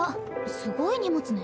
すごい荷物ね。